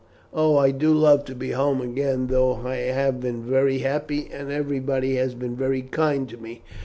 "Oh I do love to be home again, though I have been very happy, and everyone has been very kind to me.